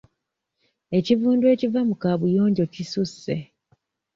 Ekivundu ekiva mu kabuyonjo kisusse.